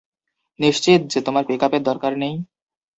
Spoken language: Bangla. নিশ্চিত যে তোমার পিকআপের দরকার নেই?